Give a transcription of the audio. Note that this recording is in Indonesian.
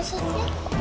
nggak nggak kena